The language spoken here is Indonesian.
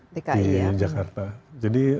di jakarta jadi